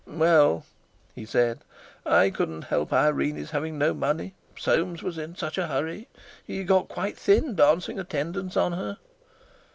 "Well," he said, "I couldn't help Irene's having no money. Soames was in such a hurry; he got quite thin dancing attendance on her."